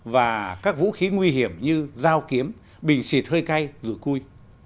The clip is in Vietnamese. và các vũ khí nguy hiểm như dao kiếm bình xịt hơi cay rụi cui